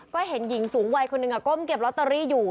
ก็เห็นหญิงสูงวัยคนหนึ่งก้มเก็บลอตเตอรี่อยู่